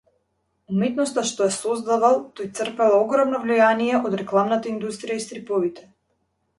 Уметноста што ја создавал тој црпела огромно влијание од рекламната индустрија и стриповите.